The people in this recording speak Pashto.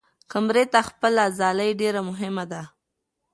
قمري ته خپله ځالۍ ډېره مهمه ده.